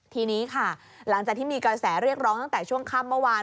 ทีนี้ค่ะหลังจากที่มีกระแสเรียกร้องตั้งแต่ช่วงค่ำเมื่อวาน